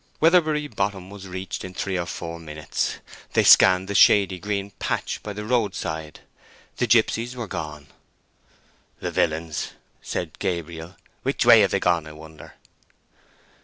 Weatherbury Bottom was reached in three or four minutes. They scanned the shady green patch by the roadside. The gipsies were gone. "The villains!" said Gabriel. "Which way have they gone, I wonder?"